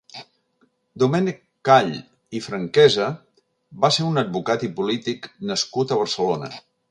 Domènec Call i Franquesa va ser un advocat i polític nascut a Barcelona.